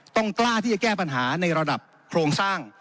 กล้าที่จะแก้ปัญหาในระดับโครงสร้าง